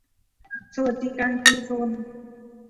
สวัสดิการชุมชน